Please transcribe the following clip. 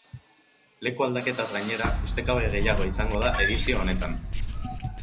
Leku aldaketaz gainera, ustekabe gehiago izango da edizio honetan.